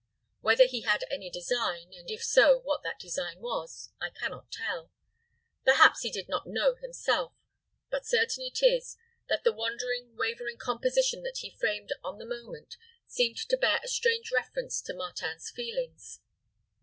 Whether he had any design, and, if so, what that design was, I can not tell; perhaps he did not know himself; but certain it is, that the wandering, wavering composition that he framed on the moment seemed to bear a strange reference to Martin's feelings.